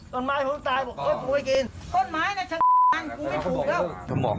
กล้านมันอะไรละต้นไม้ผมตายด้วยโอ้นไม่กิน